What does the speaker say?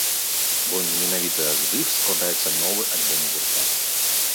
Бо менавіта з іх складаецца новы альбом гурта.